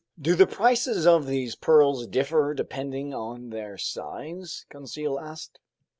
"Do the prices of these pearls differ depending on their size?" Conseil asked.